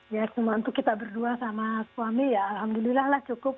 ya cuma untuk kita berdua sama suami ya alhamdulillah lah cukup